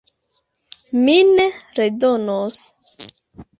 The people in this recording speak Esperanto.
Mi ne redonos!